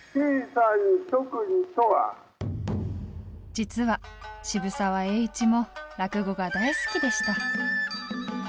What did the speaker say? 実は渋沢栄一も落語が大好きでした。